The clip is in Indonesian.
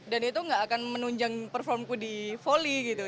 dan itu nggak akan menunjang performaku di volley gitu